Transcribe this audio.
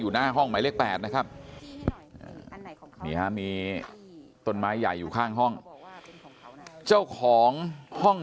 หน้าห้องหมายเลข๘นะครับมีต้นไม้ใหญ่อยู่ข้างห้องเจ้าของห้อง